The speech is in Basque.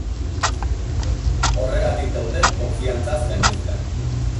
Horregatik daude konfiantzaz gainezka.